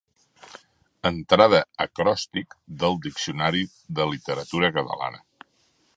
Entrada «Acròstic» del Diccionari de Literatura Catalana.